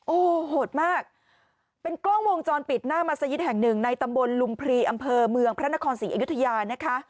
โอ้โหโหดมากเป็นกล้องวงจรปิดหน้ามัศยิตแห่งหนึ่งในตำบลลุมพรีอำเภอเมืองพระนครศรีอยุธยานะคะ